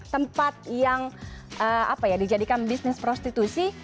tempat yang apa ya dijadikan bisnis prostitusi